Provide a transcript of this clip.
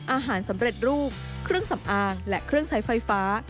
อาหารสำเร็จรูปเครื่องสำอางและเครื่องใช้ไฟฟ้า